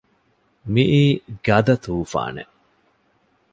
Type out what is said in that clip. މިއީ ގަދަ ތޫފާނެއް